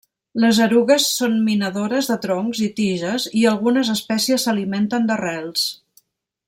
Les erugues són minadores de troncs i tiges i algunes espècies s'alimenten d'arrels.